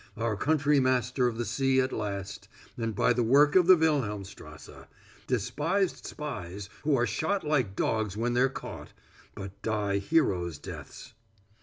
Our country master of the sea at last, and by the work of the Wilhelmstrasse despised spies who are shot like dogs when they're caught, but die heroes' deaths."